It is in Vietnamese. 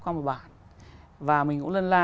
qua một bản và mình cũng lân la